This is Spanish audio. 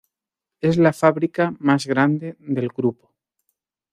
Es la fábrica más grande del grupo.